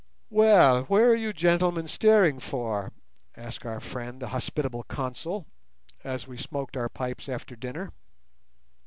"Well, where are you gentlemen steering for?" asked our friend the hospitable Consul, as we smoked our pipes after dinner.